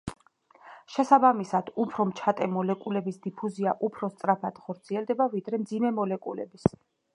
შესაბამისად, უფრო მჩატე მოლეკულების დიფუზია უფრო სწრაფად ხორციელდება, ვიდრე მძიმე მოლეკულების.